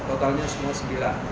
totalnya semua sembilan